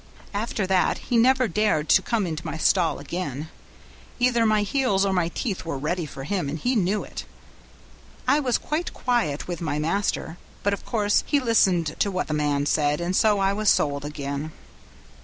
After that he never dared to come into my stall again; either my heels or my teeth were ready for him, and he knew it. I was quite quiet with my master, but of course he listened to what the man said, and so I was sold again.